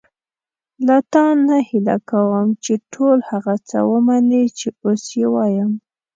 له تا نه هیله کوم چې ټول هغه څه ومنې چې اوس یې وایم.